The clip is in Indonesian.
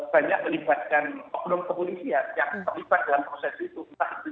banyak melibatkan oknum komunisian